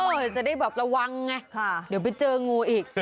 จะได้แบบระวังไงเดี๋ยวไปเจองูอีก